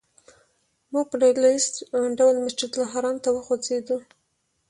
موږ په ډله ییز ډول مسجدالحرام ته وخوځېدو.